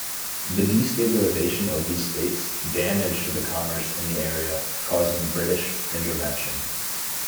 The destabilisation of these states damaged the commerce in the area, causing British intervention.